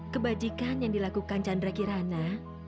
kebajikan yang dilakukan chandra kirana